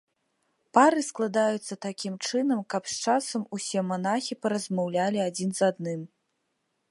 Пары складаюцца такім чынам, каб з часам усе манахі паразмаўлялі адзін з адным.